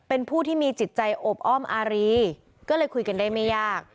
เป็นผู้ที่มีจิตใจโอบอ้อมอารีก็เลยคุยกันได้ไม่ยาก